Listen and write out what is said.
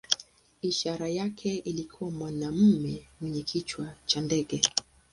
Ishara yake ilikuwa mwanamume mwenye kichwa cha ndege.